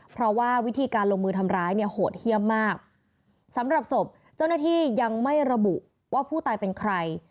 เพราะว่าวิธีการลงมือทำร้ายเนี่ยโหดเยี่ยมมากสำหรับศพเจ้าหน้าที่ยังไม่ระบุว่าผู้ตายเป็นใคร